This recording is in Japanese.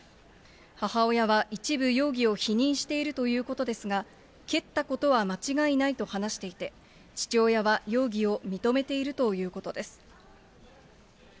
母親は一部容疑を否認しているということですが、蹴ったことは間違いないと話していて、父親は容疑を認めているということです。